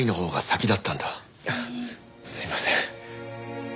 すいません。